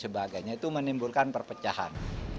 sebagainya itu menimbulkan perpecahan